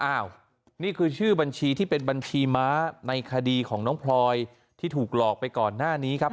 นี่คือชื่อบัญชีที่เป็นบัญชีม้าในคดีของน้องพลอยที่ถูกหลอกไปก่อนหน้านี้ครับ